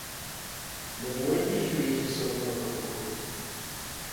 Ne morete živeti samo na kruhu.